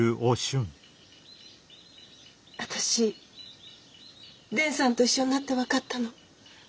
私伝さんと一緒になって分かったの。